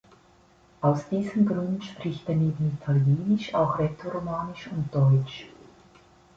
Aus diesem Grund spricht er neben Italienisch auch Rätoromanisch und Deutsch.